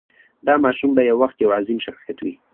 دا ماشوم به یو وخت یو عظیم شخصیت وي.